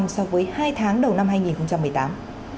so với hai tháng đầu năm hai nghìn một mươi tám